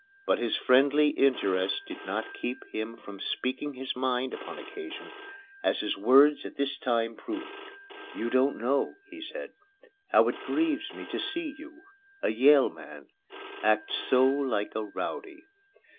But his friendly interest did not keep him from speaking his mind upon occasion, as his words at this time proved. "You don't know," he said, "how it grieves me to see you a Yale man act so like a rowdy."